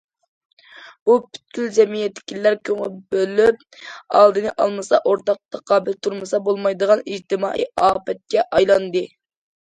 بۇ پۈتكۈل جەمئىيەتتىكىلەر كۆڭۈل بۆلۈپ ئالدىنى ئالمىسا، ئورتاق تاقابىل تۇرمىسا بولمايدىغان ئىجتىمائىي ئاپەتكە ئايلاندى.